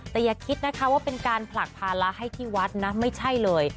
แต่อย่าคิดนะคะว่าเป็นการผลักภาระให้ที่วัดนะไม่ใช่เลย